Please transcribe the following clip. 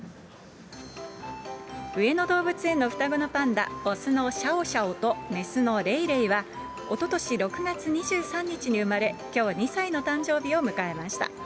上野動物園の双子のパンダ、雄のシャオシャオと雌のレイレイは、おととし６月２３日に生まれ、きょう２歳の誕生日を迎えました。